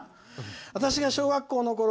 「私が小学校のころ